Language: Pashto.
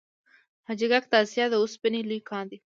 حاجي ګک د اسیا د وسپنې لوی کان دی